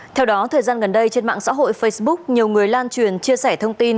theo đó thời gian gần đây trên mạng xã hội facebook nhiều người lan truyền chia sẻ thông tin